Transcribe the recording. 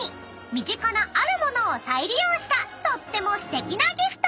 ［身近なある物を再利用したとってもすてきなギフト］